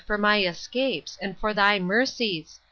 for my escapes, and for thy mercies!